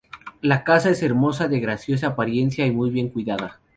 La casa es hermosa, de graciosa apariencia y muy bien cuidada.